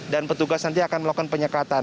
dan petugas nanti akan melakukan penyekatan